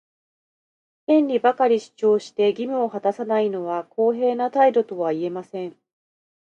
権利ばかり主張して、義務を果たさないのは公平な態度とは言えません。